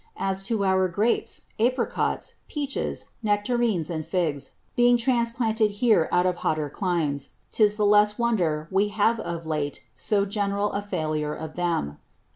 As to our Grapes, Abricots, Peaches, Nectarens, and Figs, being transplanted hither out of hotter Climes, 'tis the less wonder we have of late had so general a Failure of them.